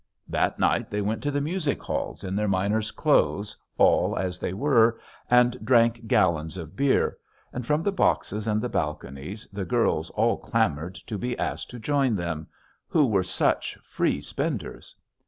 That night they went to the music halls in their miners' clothes all as they were, and drank gallons of beer; and from the boxes and the balconies the girls all clamored to be asked to join them who were such free spenders.